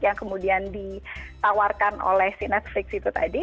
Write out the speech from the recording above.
yang kemudian ditawarkan oleh si netflix itu tadi